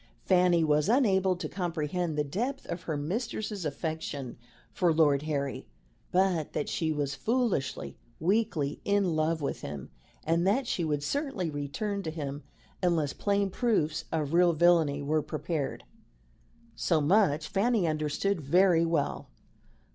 Fanny was unable to comprehend the depth of her mistress's affection for Lord Harry; but that she was foolishly, weakly in love with him, and that she would certainly return to him unless plain proofs of real villainy were prepared so much Fanny understood very well.